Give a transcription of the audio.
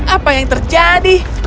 apa yang terjadi